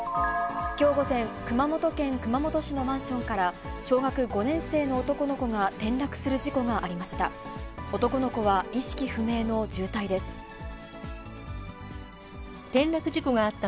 きょう午前、熊本県熊本市のマンションから、小学５年生の男の子が転落する事故がありました。